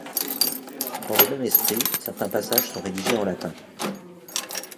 Dans le même esprit, certains passages sont rédigés en latin.